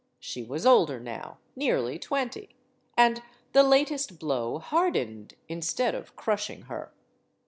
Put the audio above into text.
She was older now nearly twenty. And the latest blow hardened instead of crushing her.